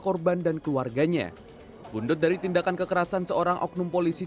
korban dan keluarganya bundut dari tindakan kekerasan seorang oknum polisi